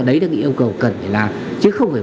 đấy là những yêu cầu cần phải làm chứ không phải